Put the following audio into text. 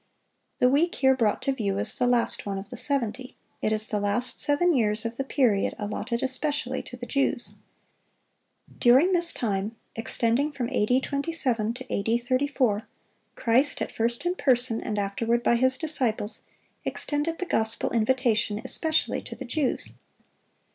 The "week" here brought to view is the last one of the seventy; it is the last seven years of the period allotted especially to the Jews. During this time, extending from A.D. 27 to A.D. 34, Christ, at first in person and afterward by His disciples, extended the gospel invitation especially to the Jews.